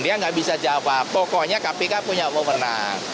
dia nggak bisa jawab pokoknya kpk punya pemenang